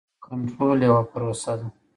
کنټرول یوه پروسه ده.